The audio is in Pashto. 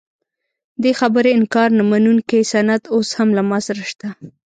دې خبرې انکار نه منونکی سند اوس هم له ما سره شته.